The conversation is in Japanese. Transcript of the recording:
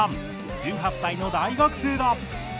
１８歳の大学生だ。